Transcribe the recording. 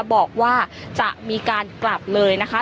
บอกว่าจะมีการกลับเลยนะคะ